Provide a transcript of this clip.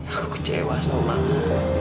aku kecewa sama mama